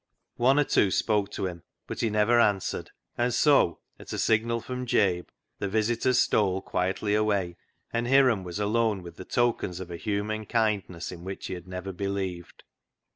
One or two spoke to him. I40 CLOG SHOP CHRONICLES but he never answered ; and so, at a signal from Jabe, the visitors stole quietly away, and Hiram was alone with the tokens of a human kindness in which he had never believed.